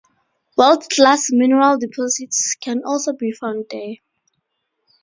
World-class mineral deposits can also be found there.